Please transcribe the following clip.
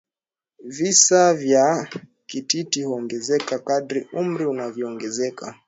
Visa vya kititi huongezeka kadri umri unavyoongezeka